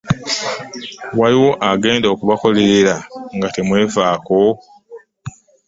Waliwo agenda okubakolerera nga temwefaako?